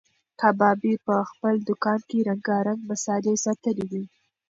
کبابي په خپل دوکان کې رنګارنګ مسالې ساتلې وې.